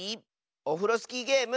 オフロスキーゲーム